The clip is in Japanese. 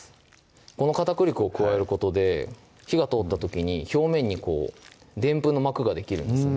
この片栗粉を加えることで火が通った時に表面にでんぷんの膜ができるんですね